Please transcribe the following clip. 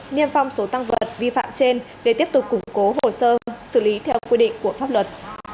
niêm phong số tăng vật vi phạm trên để tiếp tục củng cố hồ sơ xử lý theo quy định của pháp luật